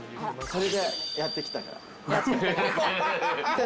それでやってきたから。